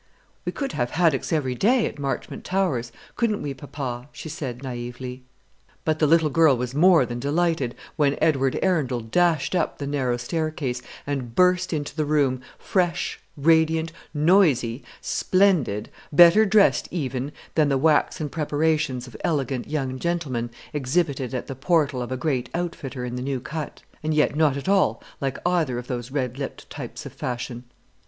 "We could have haddocks every day at Marchmont Towers, couldn't we, papa?" she said naïvely. But the little girl was more than delighted when Edward Arundel dashed up the narrow staircase, and burst into the room, fresh, radiant, noisy, splendid, better dressed even than the waxen preparations of elegant young gentlemen exhibited at the portal of a great outfitter in the New Cut, and yet not at all like either of those red lipped types of fashion.